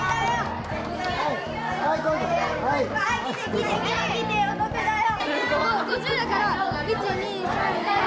来て来て、お得だよ。